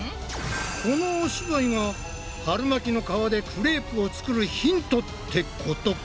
このお芝居が春巻きの皮でクレープを作るヒントってことか？